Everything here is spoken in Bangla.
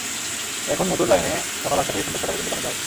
এখন নতুন লাইনে সকাল আটটা থেকে সন্ধ্যা ছয়টা পর্যন্ত পানি দেওয়া হচ্ছে।